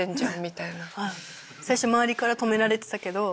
最初周りから止められてたけど。